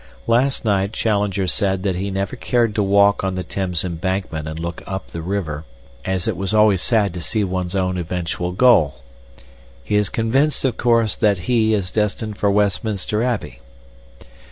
Last night Challenger said that he never cared to walk on the Thames Embankment and look up the river, as it was always sad to see one's own eventual goal. He is convinced, of course, that he is destined for Westminster Abbey.